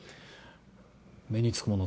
目につくもの